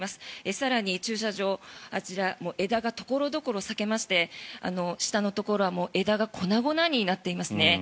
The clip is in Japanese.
更に駐車場、あちら枝が所々裂けまして下のところは枝が粉々になっていますね。